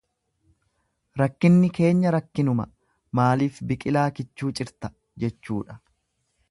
Rakkinni keenya rakkinuma maaliif biqilaa kichuu cirta? jechuudha.